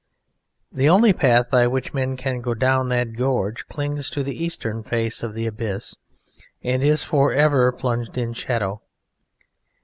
The only path by which men can go down that gorge clings to the eastern face of the abyss and is for ever plunged in shadow.